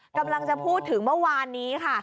กำลังจะพูดถึงเมื่อวานนี้ค่ะ